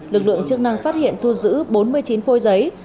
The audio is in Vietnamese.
lực lượng chức năng phát hiện thu giữ bốn mươi chín phôi giấy